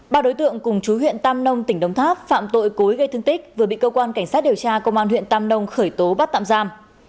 ba đối tượng cùng chú huyện tam nông tỉnh đồng tháp phạm tội cối gây thương tích vừa bị cơ quan cảnh sát điều tra công an huyện tam nông khởi tố bắt tạm giam